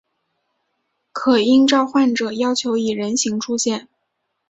可应召唤者要求以人形出现。